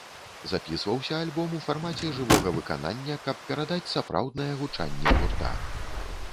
Запісваўся альбом у фармаце жывога выканання, каб перадаць сапраўднае гучанне гурта.